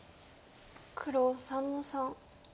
黒３の三。